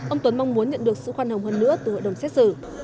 ông tuấn mong muốn nhận được sự khoan hồng hơn nữa từ hội đồng xét xử